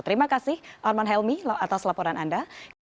terima kasih arman helmi atas laporan anda